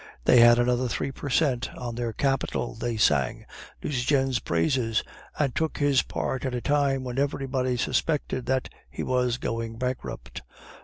They had another three per cent on their capital, they sang Nucingen's praises, and took his part at a time when everybody suspected that he was going bankrupt.